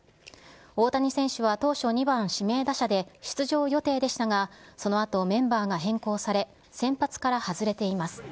大谷選手は当初、２番指名打者で出場予定でしたが、そのあと、メンバーが変更され、先発から外れています。